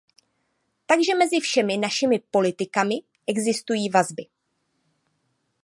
Takže mezi všemi našimi politikami existují vazby.